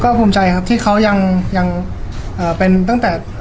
ก็ก็คุมใจที่เขายังเป็นตั้งแต่